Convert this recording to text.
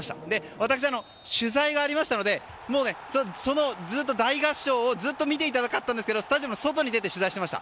私、取材がありましたので大合唱をずっと見ていたかったんですけどスタジアムの外に出て取材をしていました。